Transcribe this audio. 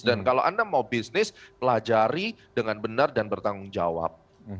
dan kalau anda mau bisnis pelajari dengan benar dan bertanggung jawab